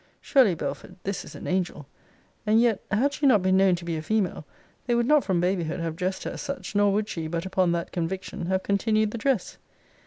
Surely, Belford, this is an angel. And yet, had she not been known to be a female, they would not from babyhood have dressed her as such, nor would she, but upon that conviction, have continued the dress.